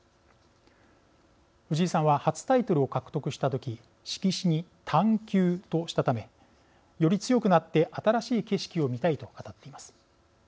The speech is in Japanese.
藤井さんは初タイトルを獲得した時色紙に探究としたためより強くなって新しい景色を見たいと語っています。